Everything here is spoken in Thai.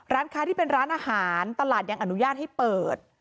ร้านค้าที่เป็นร้านอาหารตลาดยังอนุญาตให้เปิด